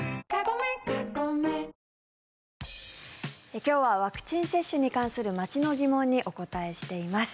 今日はワクチン接種に関する街の疑問にお答えしています。